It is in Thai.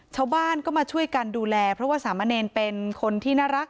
ชาวบ้านก็มาช่วยกันดูแลเพราะว่าสามะเนรเป็นคนที่น่ารัก